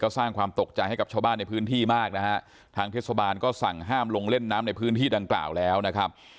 สร้างความตกใจให้กับชาวบ้านในพื้นที่มากนะฮะทางเทศบาลก็สั่งห้ามลงเล่นน้ำในพื้นที่ดังกล่าวแล้วนะครับ